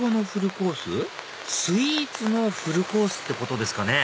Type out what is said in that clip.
スイーツのフルコースってことですかね？